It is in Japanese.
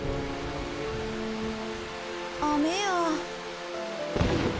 雨や。